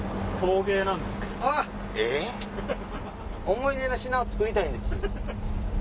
思い出の品を作りたいんです。